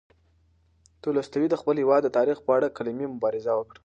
تولستوی د خپل هېواد د تاریخ په اړه قلمي مبارزه وکړه.